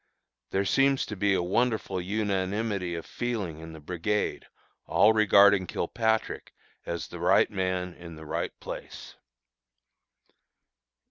There seems to be a wonderful unanimity of feeling in the brigade, all regarding Kilpatrick as the right man in the right place.